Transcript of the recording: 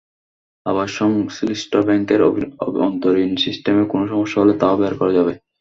আবার সংশ্লিষ্ট ব্যাংকের অভ্যন্তরীণ সিস্টেমে কোনো সমস্যা হলে তাও বের করা যাবে।